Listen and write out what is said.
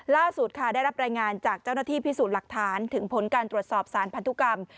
ล่าสุดค่ะได้รับรายงานจากเจ้าหน้าที่พิสูจน์หลักฐานถึงผลการตรวจสอบสารพันธุกรรม